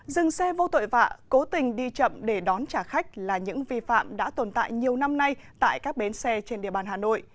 dừng xe vô tội vạ cố tình đi chậm để đón trả khách là những vi phạm đã tồn tại nhiều năm nay tại các bến xe trên địa bàn hà nội